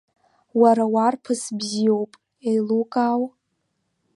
Уара уарԥыс бзиоуп, еилукаау?